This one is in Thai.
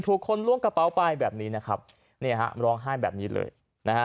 ถูกคนล้วงกระเป๋าไปแบบนี้นะครับเนี่ยฮะร้องไห้แบบนี้เลยนะฮะ